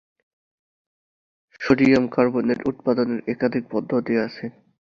Sodium carbonate উৎপাদনের একাধিক পদ্ধতি আছে।